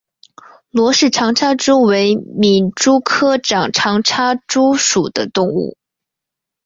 罗氏长插蛛为皿蛛科长插蛛属的动物。